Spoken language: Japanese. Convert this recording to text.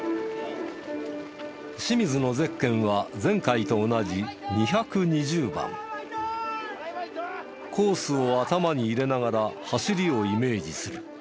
清水のゼッケンは前回と同じ２２０番。コースを頭に入れながら走りをイメージする。